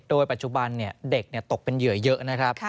โดยปัจจุบันเด็กตกเป็นเหยื่อเยอะนะครับ